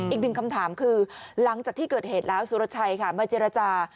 อีกหนึ่งคำถามคือหลังจากที่เกิดเหตุแล้วสุรชัยค่ะมาเจรจา